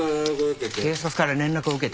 警察から連絡を受けて。